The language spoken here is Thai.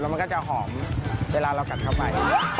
มันก็จะหอมเวลาเรากัดเข้าไป